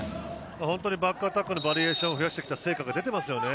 バックアタックのバリエーションを増やしてきた成果が出てますね。